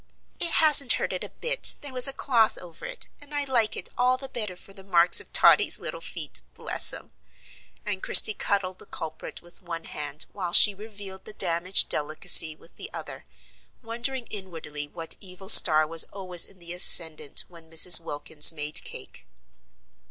"It hasn't hurt it a bit; there was a cloth over it, and I like it all the better for the marks of Totty's little feet, bless 'em!" and Christie cuddled the culprit with one hand while she revealed the damaged delicacy with the other, wondering inwardly what evil star was always in the ascendant when Mrs. Wilkins made cake.